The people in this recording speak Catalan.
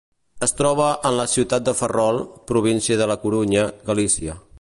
Es troba en la ciutat de Ferrol, província de La Corunya, Galícia.